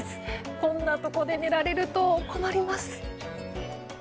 こんなところで寝られると困ります。